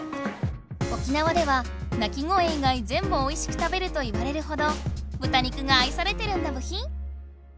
沖縄ではなき声以外ぜんぶおいしく食べると言われるほどぶた肉があいされてるんだブヒ！